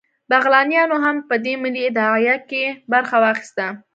بغلانیانو هم په دې ملي داعیه کې برخه واخیسته